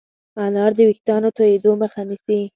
انار د ويښتانو تویدو مخه نیسي.